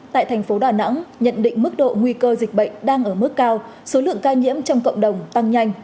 tại thành phố đà nẵng nhận định mức độ nguy cơ dịch bệnh đang ở mức cao số lượng ca nhiễm trong cộng đồng tăng nhanh